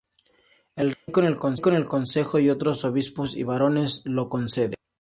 El Rey con el consejo y otros Obispos y barones lo concede.